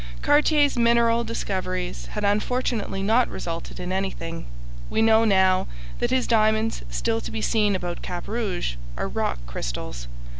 Cartier's mineral discoveries have unfortunately not resulted in anything. We know now that his diamonds, still to be seen about Cap Rouge, are rock crystals.